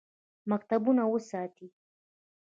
مکتبونه وساتئ